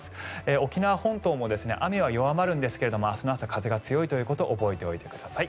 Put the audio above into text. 沖縄本島も雨は弱まるんですが明日の朝、風が強いということを覚えておいてください。